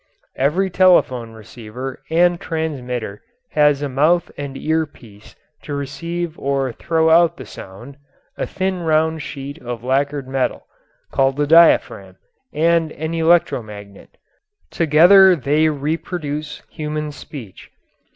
] Every telephone receiver and transmitter has a mouth and ear piece to receive or throw out the sound, a thin round sheet of lacquered metal called a diaphragm, and an electromagnet; together they reproduce human speech.